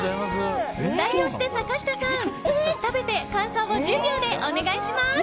代表して坂下さん、食べて感想を１０秒でお願いします。